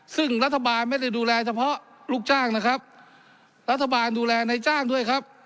ซึ่งรัฐบาลไม่ได้ดูแลเฉพาะลูกจ้างนะครับรัฐบาลดูแลในจ้างด้วยครับ